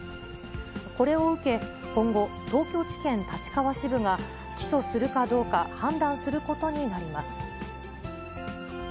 これを受け、今後、東京地検立川支部が、起訴するかどうか判断することになります。